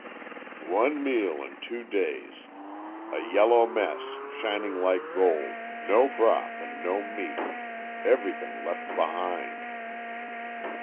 "One meal in two days a yellow mess, shining like gold, no broth and no meat everything left behind."